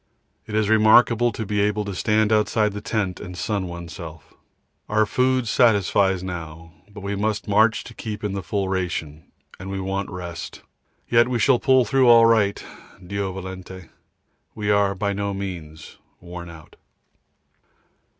It is remarkable to be able to stand outside the tent and sun oneself. Our food satisfies now, but we must march to keep in the full ration, and we want rest, yet we shall pull through all right, D.V. We are by no means worn out.